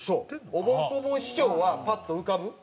おぼん・こぼん師匠はパッと浮かぶ？